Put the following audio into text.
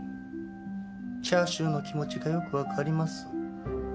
チャーシューの気持ちがよくわかります。